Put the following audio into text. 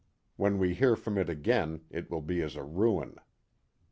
When we hear from it again it will be as a ruin.